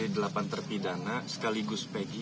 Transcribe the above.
dari delapan terpidana sekaligus peggy